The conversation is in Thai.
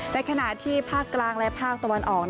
ในขณะที่ภาคกลางและภาคตะวันออก